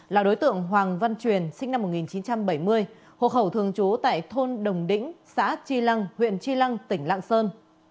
là đối tượng hoàng văn truyền sinh năm một nghìn chín trăm bảy mươi hộ khẩu thường trú tại thôn đồng đĩnh xã tri lăng huyện tri lăng tỉnh lạng sơn